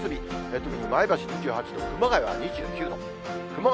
特に前橋２８度、熊谷は２９度、熊谷